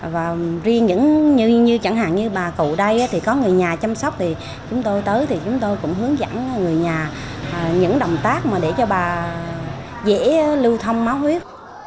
và riêng như chẳng hạn như bà cụ đây thì có người nhà chăm sóc thì chúng tôi tới thì chúng tôi cũng hướng dẫn người nhà những động tác mà để cho bà dễ lưu thông máu huyết